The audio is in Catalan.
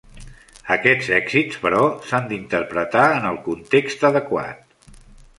Aquests èxits, però, s'han d'interpretar en el context adequat.